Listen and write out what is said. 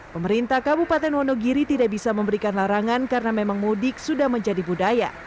pemerintah kabupaten wonogiri tidak bisa memberikan larangan karena memang mudik sudah menjadi budaya